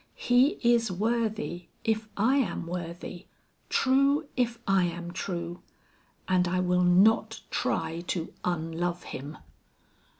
He is worthy if I am worthy, true if I am true; and I will not try to unlove him!"